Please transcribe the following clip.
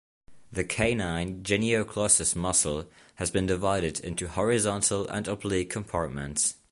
The canine genioglossus muscle has been divided into horizontal and oblique compartments.